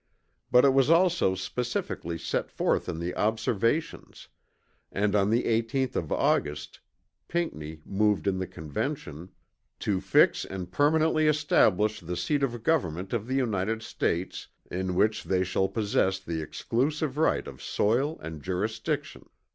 But it was also specifically set forth in the Observations; and on the 18th of August Pinckney moved in the Convention; "To fix and permanently establish the seat of government of the United States in which they shall possess the exclusive right of soil and jurisdiction."